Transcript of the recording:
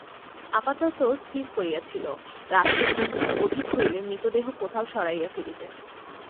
আপাতত স্থির করিয়াছিল, রাত্রি কিঞ্চিৎ অধিক হইলে মৃতদেহ কোথাও সরাইয়া ফেলিবে।